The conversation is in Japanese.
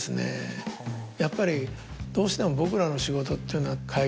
やっぱりどうしても僕らの仕事っていうのは。